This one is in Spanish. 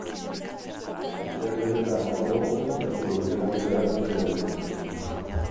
De ser el lesionado un famoso, la Producción asignará a un suplente.